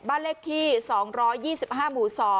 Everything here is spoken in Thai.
บ้านเลขที่๒๒๕หมู่๒